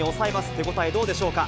手応え、どうでしょうか。